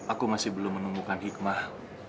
aku masih belum menemukan hikmah